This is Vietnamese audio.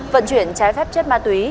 vận chuyển trái phép chất ma túy